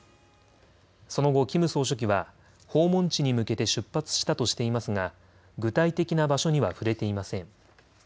その後、キム総書記は訪問地に向けて出発したとしていますが具体的な場所には触れていません。